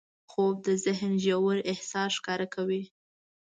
خوب د ذهن ژور احساس ښکاره کوي